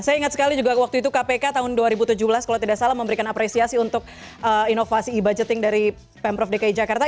saya ingat sekali juga waktu itu kpk tahun dua ribu tujuh belas kalau tidak salah memberikan apresiasi untuk inovasi e budgeting dari pemprov dki jakarta